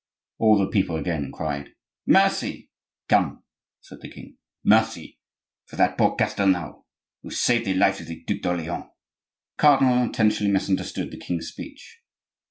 All the people again cried, "Mercy!" "Come!" said the king, "mercy for that poor Castelnau, who saved the life of the Duc d'Orleans." The cardinal intentionally misunderstood the king's speech.